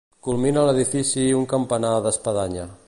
Culmina l'edifici un campanar d'espadanya.